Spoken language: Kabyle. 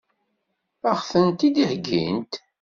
Ad ɣ-tent-id-heggint?